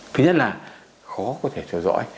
thứ nhất là khó có thể theo dõi